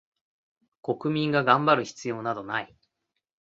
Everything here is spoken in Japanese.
国民が頑張る必要などない